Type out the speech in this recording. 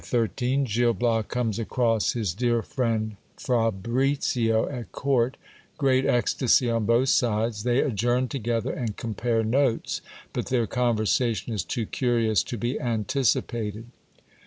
Ch. XIII. — Gil Bias comes across his dear friend Fabricio at court. Great \ ecstacy on both sides. They adjourn together, and compare notes ; but their J conversation is too curious to be anticipated.